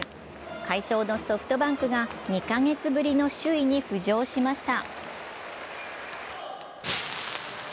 快勝のソフトバンクが２か月ぶりの首位に浮上しました。